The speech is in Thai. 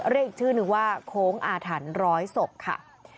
เรียกอีกชื่อนึงว่าโค้งอาถรรพ์ร้อยศพค่ะ